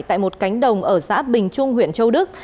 tại một cánh đồng ở xã bình trung huyện châu đức